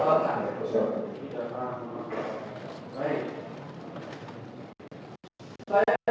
semua tidak ada masalah